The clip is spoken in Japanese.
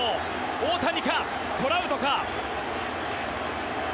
大谷か、トラウトか。